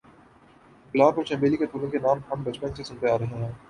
گلاب اور چنبیلی کے پھولوں کا نام ہم بچپن سے سنتے آ رہے ہیں۔